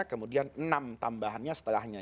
kemudian enam tambahannya setelahnya